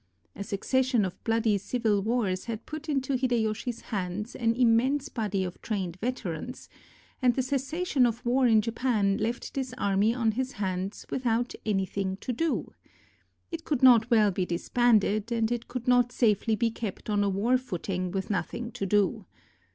A succession of bloody civil wars had put into Hideyoshi 's hands an immense body of trained veterans, and the cessation of war in Japan left this army on his hands without any thing to do. It could not well be disbanded, and it could not safely be kept on a war footing with nothing to do.